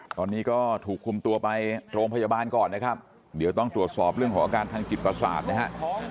ตอนนี้ก็ถูกคุมตัวไปโรงพยาบาลก่อนนะครับเดี๋ยวต้องตรวจสอบเรื่องของอาการทางจิตประสาทนะฮะ